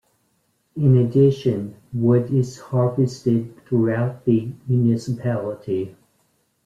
In addition, wood is harvested throughout the municipality.